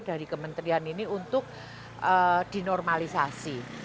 dari kementerian ini untuk dinormalisasi